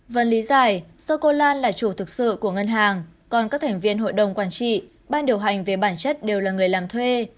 và lý giải do cô lan là chủ thực sự của ngân hàng còn các thành viên hội đồng quản trị ban điều hành về bản chất đều là người làm thuê